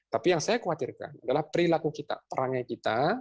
tapi yang saya khawatirkan adalah perilaku kita perangai kita